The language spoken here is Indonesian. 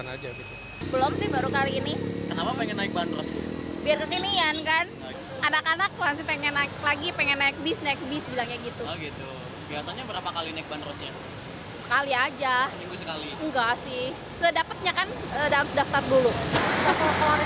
enggak sih sedapetnya kan harus daftar dulu